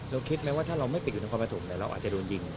แล้วคิดไหมว่าถ้าเราไม่ปิดอยู่ในความแปรถุกแต่เราอาจจะโดนยิง